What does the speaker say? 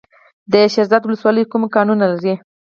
د شیرزاد ولسوالۍ کوم کانونه لري؟